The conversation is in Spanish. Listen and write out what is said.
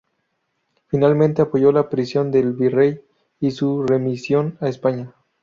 Finalmente apoyó la prisión del virrey y su remisión a España.